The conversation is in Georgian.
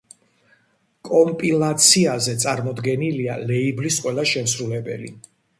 კომპილაციაზე წარმოდგენილია ლეიბლის ყველა შემსრულებელი.